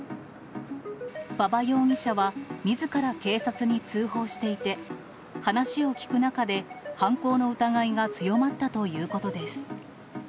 馬場容疑者は、みずから警察に通報していて、話を聞く中で、犯行の疑いが強まったということです。